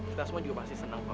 kita semua juga pasti seneng kok